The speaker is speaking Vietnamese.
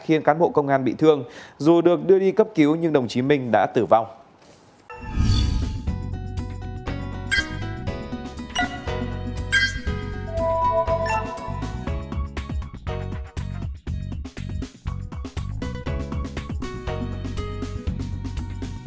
khiến cán bộ công an bị thương dù được đưa đi cấp cứu nhưng đồng chí minh đã tử vong